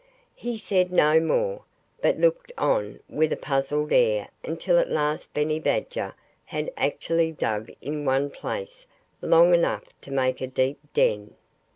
He said no more, but looked on with a puzzled air until at last Benny Badger had actually dug in one place long enough to make a deep den.